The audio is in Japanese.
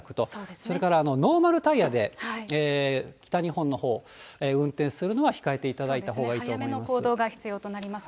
それからノーマルタイヤで北日本のほう、運転するのは控えていただいたほうがいいと思います。